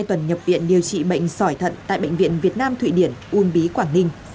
hai tuần nhập viện điều trị bệnh sỏi thận tại bệnh viện việt nam thụy điển uông bí quảng ninh